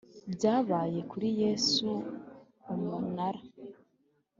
byabaye kuri Yesu Umunara